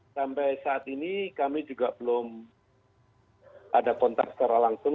sampai saat ini kami juga belum ada kontak secara langsung